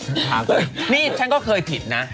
คุณนี่ก็เคยผิดนะ